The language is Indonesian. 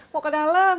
mau ke dalam